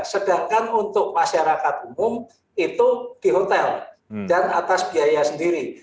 sedangkan untuk masyarakat umum itu di hotel dan atas biaya sendiri